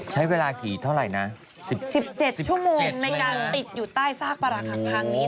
ใช้เวลากี่เท่าไหร่นะ๑๗ชั่วโมงในการติดอยู่ใต้ซากประหลักหักพังนี้